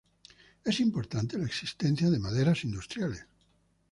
Es importante la existencia de maderas industriales.